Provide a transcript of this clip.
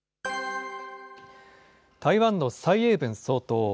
台湾の蔡英文総統。